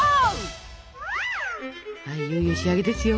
はいいよいよ仕上げですよ。